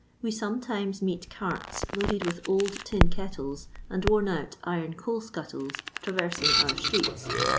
We sometimes meet carts loaded with old tin kettles and worn out iron coal skuttles traver sing our streets.